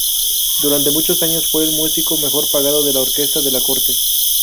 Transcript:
Durante muchos años fue el músico mejor pagado de la orquesta de la corte.